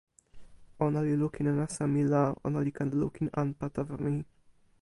ona li lukin e nasa mi la ona li ken lukin anpa tawa mi